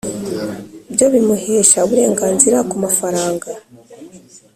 byo bimuhesha uburenganzira ku mafaranga